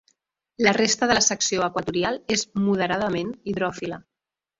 La resta de la secció equatorial és moderadament hidròfila.